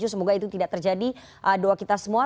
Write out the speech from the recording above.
semoga itu tidak terjadi doa kita semua